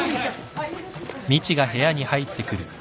はい。